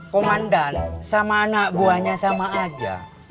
komandan sama anak buahnya sama aja